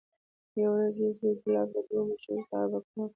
یوه ورځ یې زوی کلاب له دوو مشهورو صحابه کرامو